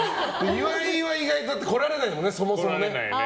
岩井は意外と来られないもんね、そもそもね。